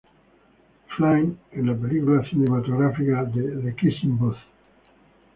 Flynn en la película cinematográfica de "The Kissing Booth".